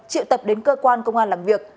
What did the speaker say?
triệu tập đến cơ quan công an làm việc